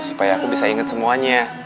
supaya aku bisa ingat semuanya